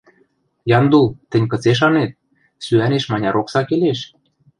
Яндул, тӹнь кыце шанет: сӱӓнеш маняр окса келеш?